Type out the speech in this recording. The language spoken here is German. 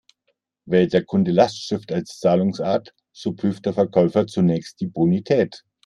Wählt der Kunde Lastschrift als Zahlungsart, so prüft der Verkäufer zunächst die Bonität.